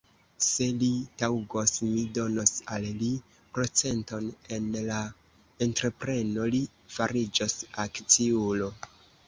Se li taŭgos, mi donos al li procenton en la entrepreno; li fariĝos akciulo.